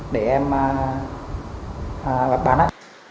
để em bán á